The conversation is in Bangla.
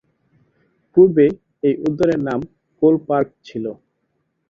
পূর্বে এই উদ্যানের নাম কোল পার্ক ছিল।